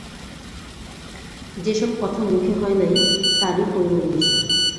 যে-সব কথা মুখে হয় নাই তারই পরিমাণ বেশি।